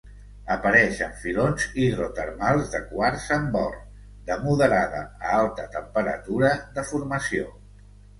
Apareix en filons hidrotermals de quars amb or, de moderada a alta temperatura de formació.